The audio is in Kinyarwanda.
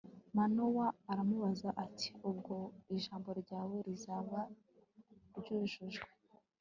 manowa aramubaza ati ubwo ijambo ryawe rizaba ryujujwe